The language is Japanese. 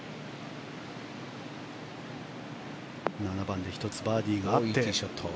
７番で１つバーディーがあって。